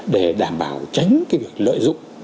để đảm bảo tránh cái việc lợi dụng